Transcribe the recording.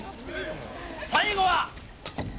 最後は。